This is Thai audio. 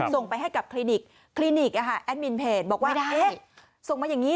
ส่งไปให้กับคลินิกคลินิกแอดมินเพจบอกว่าได้ส่งมาอย่างนี้